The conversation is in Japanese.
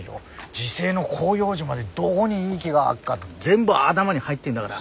自生の広葉樹までどごにいい木があっか全部頭に入ってんだがら。